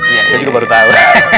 iya saya juga baru tahu